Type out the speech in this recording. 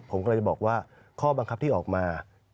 ผมกำลังจะบอกว่าข้อบังคับที่ออกมา